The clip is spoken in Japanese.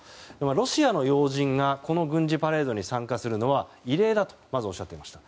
ロシアの要人がこの軍事パレードに参加するのは異例だとおっしゃっていました。